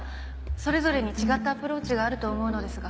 それぞれに違ったアプローチがあると思うのですが。